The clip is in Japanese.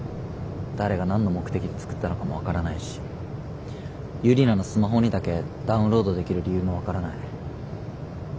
誰が何の目的で作ったのかも分からないしユリナのスマホにだけダウンロードできる理由も分からない。